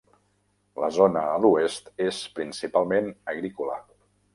La zona a l'oest és principalment agrícola.